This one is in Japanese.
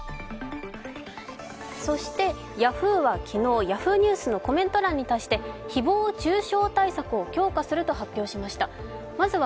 そしてヤフーは昨日Ｙａｈｏｏ！ニュースのコメント欄に対して誹謗中傷対策を強化すると発表しました。